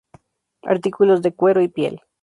Artículos de cuero y piel.